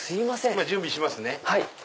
今準備しますね。